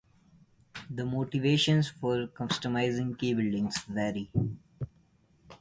The motivations for customizing key bindings vary.